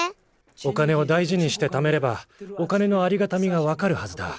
お金をだいじにしてためればお金のありがたみがわかるはずだ。